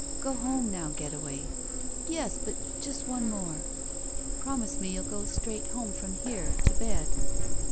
"Go home now. Getaway." "Yes — ^but just one more —" "Promise me you'll go straight home from here — to bed."